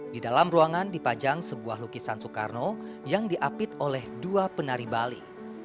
di dalam ruangan dipajang sebuah lukisan soekarno yang diapit oleh dua penari bali